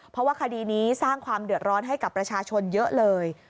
เพราะว่าคดีนี้สร้างความเดือดร้อนให้กับประชาชนเยอะเลย